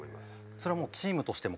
それはもうチームとしても。